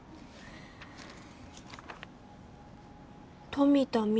「富田望